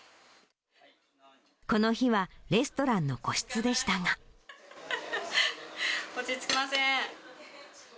この日は、レストランの個室落ち着きません。